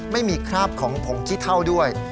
ไม่มีคราบของผงขี้เท่าด้วย